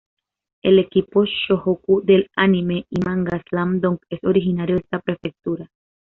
El equipo Shohoku del anime y manga "Slam Dunk" es originario de esta prefectura.